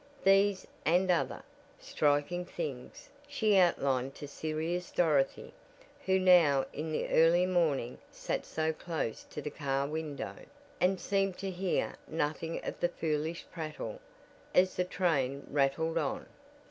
These and other "striking things" she outlined to serious Dorothy, who now in the early morning sat so close to the car window, and seemed to hear nothing of the foolish prattle, as the train rattled on.